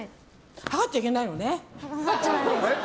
量っちゃいけないのね。